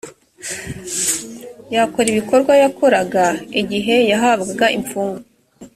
yakora ibikorwa yakoraga igihe yahabwaga imfunguzo